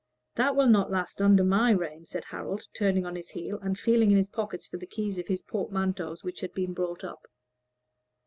That will not last under my reign," said Harold, turning on his heel and feeling in his pockets for the keys of his portmanteaus, which had been brought up.